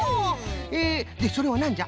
ええでそれはなんじゃ？